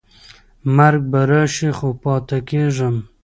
مرګ به راشي خو پاتې کېږم.